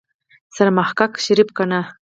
سرمحقق شريف کنه.